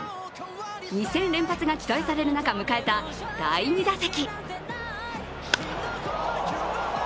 ２戦連発が期待される中迎えた第２打席。